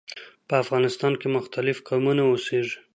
په افغانستان کې مختلف قومونه اوسیږي.